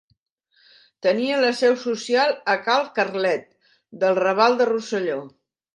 Tenia la seu social a cal Carlet del raval de Rosselló.